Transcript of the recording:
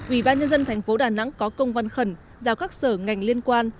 vì ba nhân dân thành phố đà nẵng có công văn khẩn giao các sở ngành liên quan